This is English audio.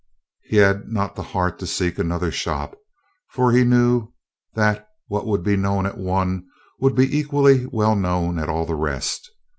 He had not the heart to seek another shop, for he knew that what would be known at one would be equally well known at all the rest.